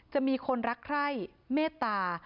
จะมีคนรักใคร่เมตตา